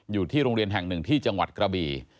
อยู่ที่โรงเรียนแห่งหนึ่งที่จังหวัดกระบี